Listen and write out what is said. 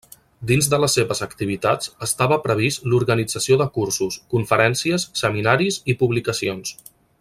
Dins de les seves activitats estava previst l'organització de cursos, conferències, seminaris i publicacions.